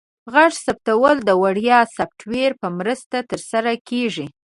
غږ ثبتول د وړیا سافټویر په مرسته ترسره کیږي.